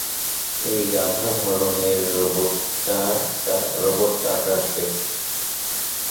এই গাধা ধরনের রোবটটাকে।